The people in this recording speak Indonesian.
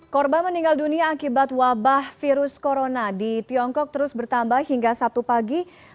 korban meninggal dunia akibat wabah virus corona di tiongkok terus bertambah hingga sabtu pagi